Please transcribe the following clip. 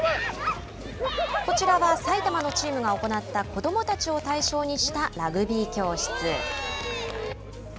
こちらは埼玉のチームが行った子どもたちを対象にしたラグビー教室。